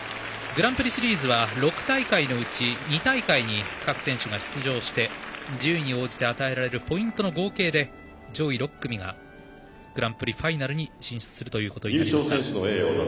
グランプリシリーズは６大会のうち２大会に各選手が出場して順位に応じて与えられるポイントの合計で上位６組がグランプリファイナルに進出するということです。